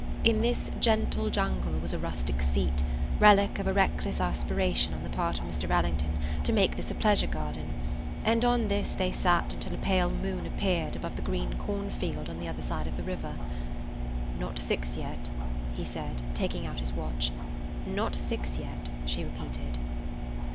In this gentle jungle was a rustic seat, relic of a reckless aspiration on the part of Mr. Allington to make this a pleasure garden, and on it they sat until a pale moon appeared above the green corn field on the other side of the river. "Not six yet," he said, taking out his watch. "Not six yet," she repeated.